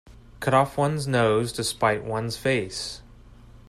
Cut off one's nose to spite one's face.